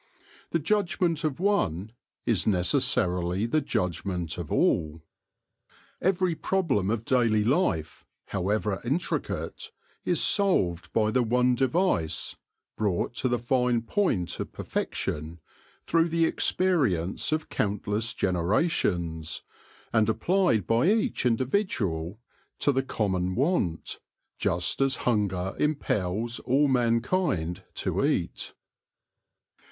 The judgment of one is necessarily the judgment of all. Every problem of daily life, however intricate, THE SOVEREIGN WORKER BEE 89 is solved by the one device, brought to the fine point of perfection through the experience of countless generations, and applied by each individual to the common want, just as hunger impels all mankind to eat.